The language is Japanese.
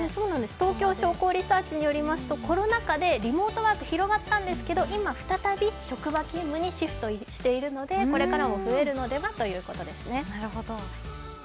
東京商工リサーチによりますとコロナ禍でリモートワークが広がったんですけど今再び職場勤務にシフトしているのでじゃあ行くね！